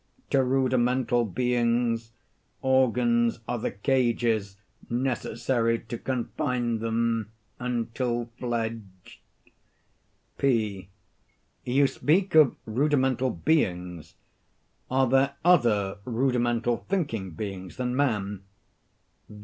To rudimental beings, organs are the cages necessary to confine them until fledged. P. You speak of rudimental "beings." Are there other rudimental thinking beings than man?